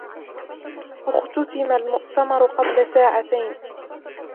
أُختتم المؤتمر قبل ساعتين.